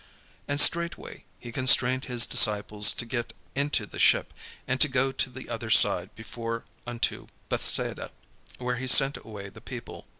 And straightway he constrained his disciples to get into the ship, and to go to the other side before unto Bethsaida, while he sent away the people.